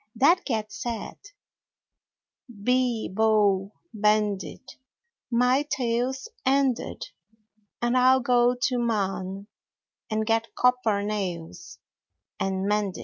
That cat said: Bee bo bend it, My tail's ended, And I'll go to Mann And get copper nails, And mend it.